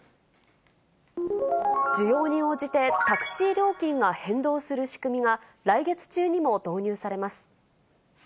需要に応じてタクシー料金が変動する仕組みが、来月中にも導入されます。